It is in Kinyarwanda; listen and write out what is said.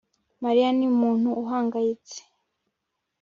Mariya ni umuntu uhangayitse